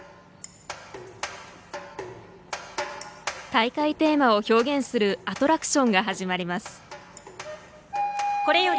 大会テーマを表現するアトラクションが始まります。